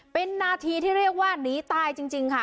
เป็นนาทีที่เรียกว่าหนีตายจริงค่ะ